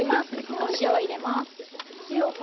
お塩を入れます。